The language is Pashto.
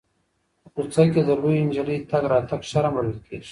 په کوڅه کې د لویې نجلۍ تګ راتګ شرم بلل کېږي.